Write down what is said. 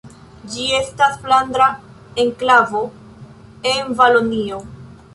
Ĝi estas flandra enklavo en Valonio.